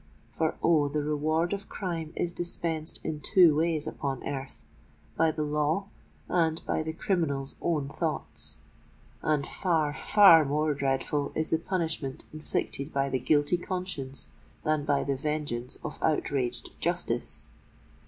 For, oh! the reward of crime is dispensed in two ways upon earth,—by the law, and by the criminal's own thoughts;—and far—far more dreadful is the punishment inflicted by the guilty conscience than by the vengeance of outraged justice.